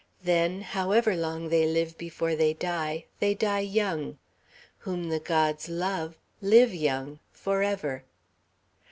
Then, however long they live before they die, they die young. Whom the gods love, live young forever.